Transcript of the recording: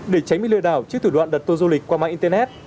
để tránh bị lừa đảo trước thủ đoạn đặt tour du lịch qua mạng internet